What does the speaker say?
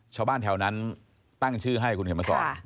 ชาวบ้านแถวนั้นตั้งชื่อให้คุณเขียนมาสอน